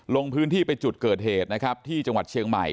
ลงพื้นที่ไปจุดเกิดเหตุนะครับที่จังหวัดเชียงใหม่